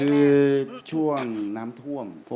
คือช่วงน้ำท่วม